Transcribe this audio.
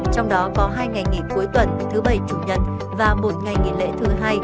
trong đó có hai ngày nghỉ cuối tuần thứ bảy chủ nhật và một ngày nghỉ lễ thứ hai